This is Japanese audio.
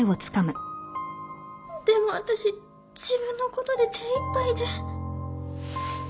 でも私自分のことで手いっぱいで。